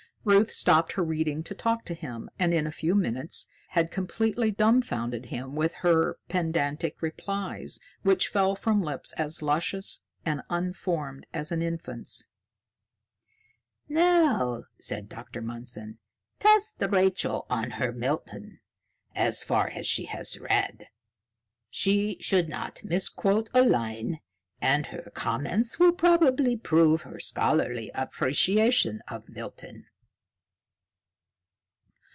Ruth stopped her reading to talk to him, and, in a few minutes, had completely dumbfounded him with her pedantic replies, which fell from lips as luscious and unformed as an infant's. "Now," said Dr. Mundson, "test Rachael on her Milton. As far as she has read, she should not misquote a line, and her comments will probably prove her scholarly appreciation of Milton."